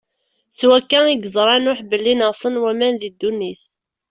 S wakka i yeẓra Nuḥ belli neɣsen waman di ddunit.